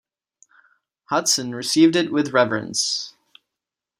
Hudson received it with reverence.